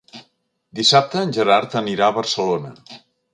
Dissabte en Gerard anirà a Barcelona.